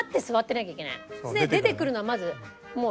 で出てくるのはまず。